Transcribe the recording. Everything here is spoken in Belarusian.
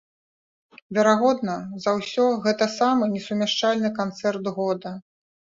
Верагодна за ўсё гэта самы несумяшчальны канцэрт года.